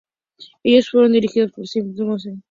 Ellos fueron dirigidos por Spike Jonze.